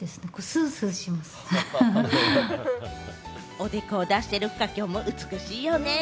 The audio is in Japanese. おでこを出してる深キョンも美しいよね！